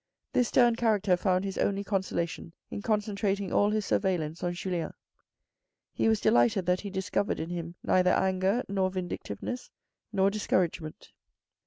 This stern character found his only consolation in concentrating all his surveillance on Julien. He was delighted that he discovered in him neither anger, nor vindictiveness, nor discouragement.